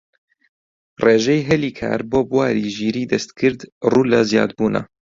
ڕێژەی هەلی کار بۆ بواری ژیریی دەستکرد ڕوو لە زیادبوونە